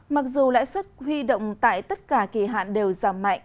mặc dù lãi suất huy động tại tất cả kỳ hạn đều giảm mạnh